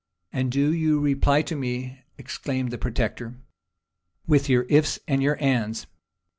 "And do you reply to me," exclaimed the protector, "with your ifs and your ands?